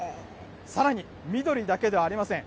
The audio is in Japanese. さらに緑だけではありません。